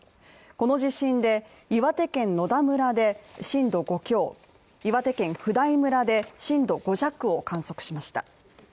この地震で、岩手県野田村で震度５強、岩手県普代村で震度５弱を観測しました。